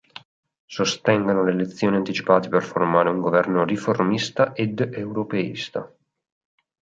Sostengono le elezioni anticipate per formare un governo riformista ed europeista.